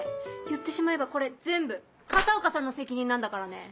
言ってしまえばこれ全部片岡さんの責任なんだからね。